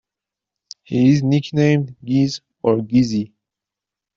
He is nicknamed 'Giz' or 'Gizzy'.